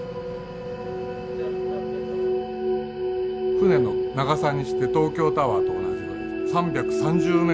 船の長さにして東京タワーと同じ３３０メートル。